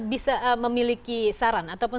bisa memiliki saran ataupun